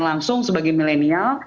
langsung sebagai milenial